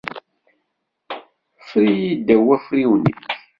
Ffer-iyi ddaw wafriwen-ik.